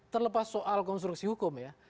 terlepas soal konstruksi hukum ya